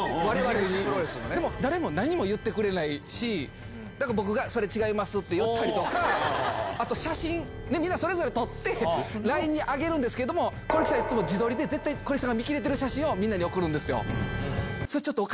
でも誰も何も言ってくれないし、だから僕がそれ、違いますって言ったりとか、あと写真、みんなそれぞれ撮って、ＬＩＮＥに上げるんですけれども、小力さん、いつも自撮りで絶対小力さんが見切れてる写真をみんなに送るんですよ。